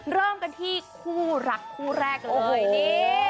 เริ่มกันที่คู่รักคู่แรกเลยนี่